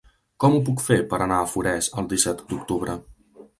Com ho puc fer per anar a Forès el disset d'octubre?